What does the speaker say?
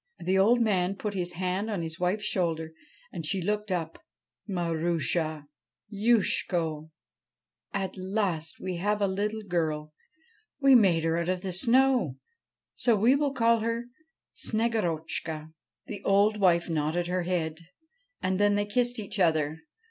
The old man put his hand on his wife's shoulder and she looked up. ' Marusha 1 ' 1 Youshko I '' At last we have a little girl ! We made her out of the snow, so we will call her Snegorotchka.' The old wife nodded her head, and then they kissed each other.